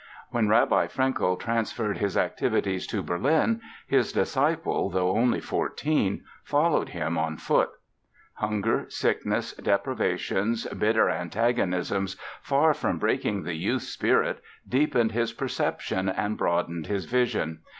When Rabbi Frankel transferred his activities to Berlin his disciple, though only fourteen, followed him on foot. Hunger, sickness, deprivations, bitter antagonisms, far from breaking the youth's spirit, deepened his perceptions and broadened his vision.